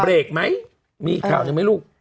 เบรกไหมมีอีกข่าวหนึ่งไหมลูก